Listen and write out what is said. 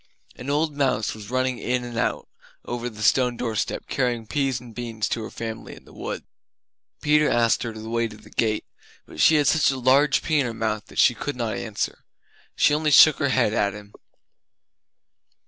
An old mouse was running in and out over the stone doorstep, carrying peas and beans to her family in the wood. Peter asked her the way to the gate but she had such a large pea in her mouth she could not answer. She only shook her head at him.